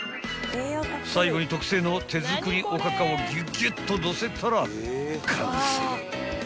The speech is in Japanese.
［最後に特製の手作りおかかをギュギュッとのせたら完成！］